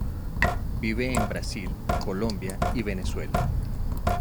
Vive en Brasil, Colombia y Venezuela.